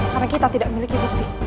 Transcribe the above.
karena kita tidak memiliki bukti